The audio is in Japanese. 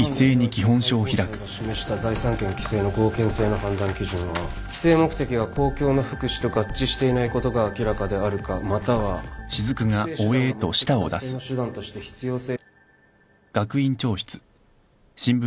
本判例において最高裁が示した財産権規制の合憲性の判断基準は規制目的が公共の福祉と合致していないことが明らかであるかまたは規制手段が目的達成の手段として必要性。